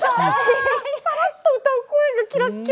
さらっと歌う声がキラッキラ。